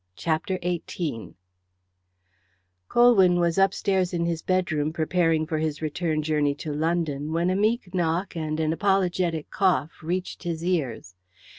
CHAPTER XVIII Colwyn was upstairs in his bedroom preparing for his return journey to London when a meek knock and an apologetic cough reached his ears.